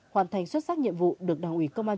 hoàn thành xuất sắc nhiệm vụ được đảng ủy công an